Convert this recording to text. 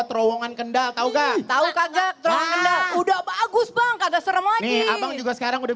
terowongan kendal tau nggak sama kagaknya udah bagus banget kayak serem lagi abang juga sekarang udah